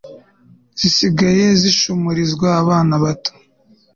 zisigaye zishumurizwa abana bato